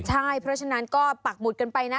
ใช่เพราะฉะนั้นก็ปักหมุดกันไปนะ